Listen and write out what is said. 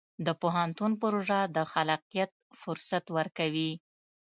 د پوهنتون پروژه د خلاقیت فرصت ورکوي.